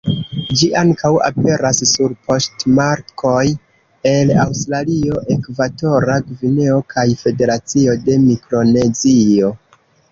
Ĝi ankaŭ aperas sur poŝtmarkoj el Aŭstralio, Ekvatora Gvineo kaj Federacio de Mikronezio.